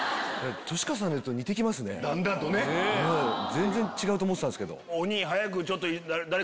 全然違うと思ってたんですけど。